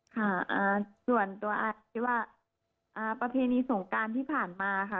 ค่ะส่วนตัวอาจคิดว่าประเพณีสงการที่ผ่านมาค่ะ